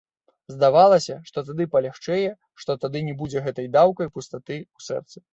Здавалася, што тады палягчэе, што тады не будзе гэтай даўкай пустаты ў сэрцы.